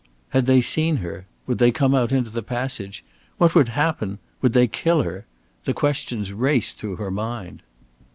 Had they seen her? Would they come out into the passage? What would happen? Would they kill her? The questions raced through her mind.